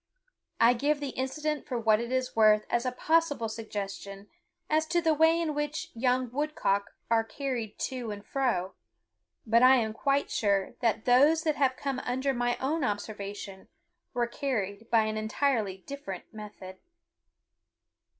I give the incident for what it is worth as a possible suggestion as to the way in which young woodcock are carried to and fro; but I am quite sure that those that have come under my own observation were carried by an entirely different method.